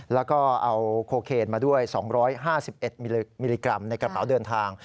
แล้วก็เอาโคเคนมาด้วย๒๕๑มิลลิกรัมในกระเป๋าเดินทาง